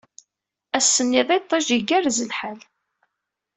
Ass-nni d iṭij, igerrez lḥal.